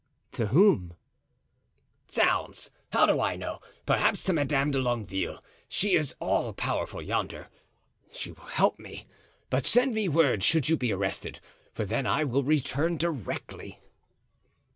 "To whom?" "Zounds! how do I know? perhaps to Madame de Longueville. She is all powerful yonder; she will help me. But send me word should you be arrested, for then I will return directly."